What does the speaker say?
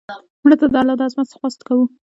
مړه ته د الله ج د عظمت خواست کوو